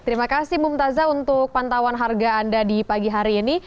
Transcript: terima kasih mumtaza untuk pantauan harga anda di pagi hari ini